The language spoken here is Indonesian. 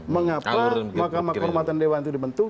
mengapa makam kehormatan dewa itu dibentuk